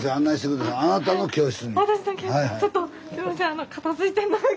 私の教室ちょっとすいません